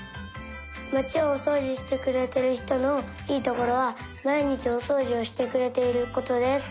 まちをおそうじしてくれてるひとのいいところはまいにちおそうじをしてくれていることです。